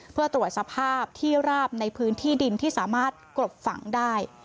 เพื่อตรวจสภาพที่ราบในพื้นที่ดินที่สามารถกรบฝังได้